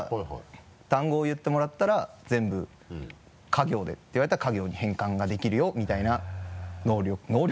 単語を言ってもらったら全部「か行」でって言われたらか行に変換ができるよみたいな能力。